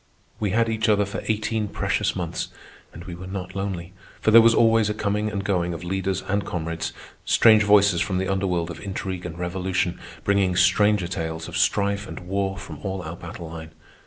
We had each other for eighteen precious months, and we were not lonely, for there was always a coming and going of leaders and comrades—strange voices from the under world of intrigue and revolution, bringing stranger tales of strife and war from all our battle line.